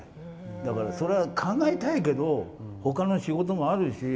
だから、それはかなえたいけどほかの仕事もあるし。